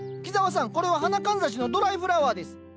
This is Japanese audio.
木沢さんこれは花かんざしのドライフラワーです。